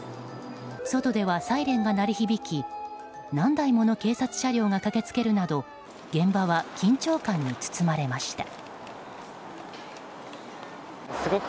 外ではサイレンが鳴り響き何台もの警察車両が駆けつけるなど現場は緊張感に包まれました。